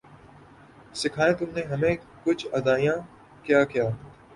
سکھائیں تم نے ہمیں کج ادائیاں کیا کیا